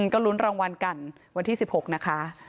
ก็ลุ้นรางวัลกันวันที่๑๖นะคะ